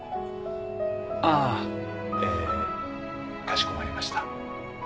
ああ。えかしこまりました。